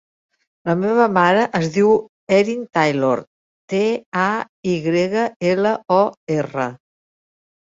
La meva mare es diu Erin Taylor: te, a, i grega, ela, o, erra.